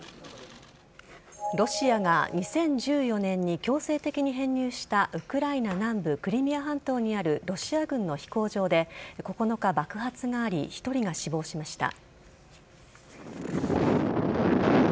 ロシアが２０１４年に強制的に編入したウクライナ南部クリミア半島にあるロシア軍の飛行場で９日爆発があり、１人が死亡しました。